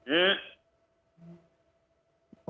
อืม